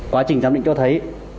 quá trình giám định cho thấy